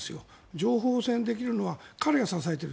情報戦ができるのは彼が支えている。